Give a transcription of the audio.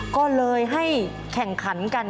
ก็เลยให้แข่งขันกัน